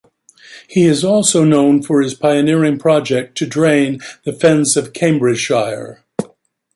He is also known for his pioneering project to drain The Fens of Cambridgeshire.